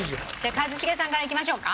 一茂さんからいきましょうか？